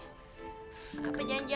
tidak melihat itu